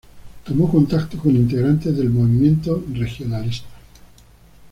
Tomó contacto con integrantes del movimiento del Regionalismo.